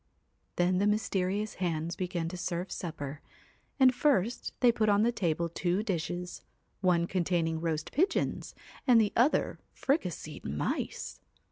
Then the mysterious hands began to serve supper, and first they put on the table two dishes, one containing roast pigeons and the other fricasseed mice.